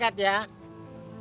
jangan melekat ya